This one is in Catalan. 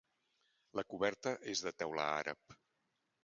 La coberta és de teula àrab.